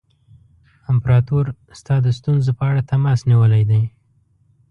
امپراطور ستا د ستونزو په اړه تماس نیولی دی.